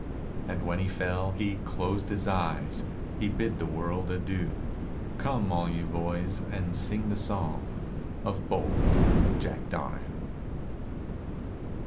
And when he fell, he closed his eyes, He bid the world adieu; Come, all you boys, and sing the song Of bold Jack Donahoo.